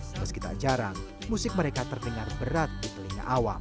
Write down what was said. meskipun jarang musik mereka terdengar berat di telinga awam